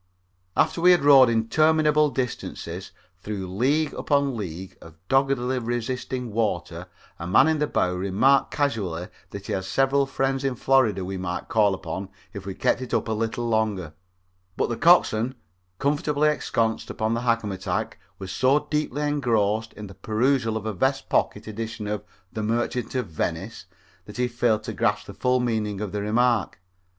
After we had rowed interminable distances through leagues upon leagues of doggedly resisting water a man in the bow remarked casually that he had several friends in Florida we might call upon if we kept it up a little longer, but the coxswain comfortably ensconced upon the hackamatack, was so deeply engrossed in the perusal of a vest pocket edition of the "Merchant of Venice" that he failed to grasp the full meaning of the remark.